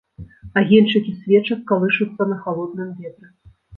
Агеньчыкі свечак калышуцца на халодным ветры.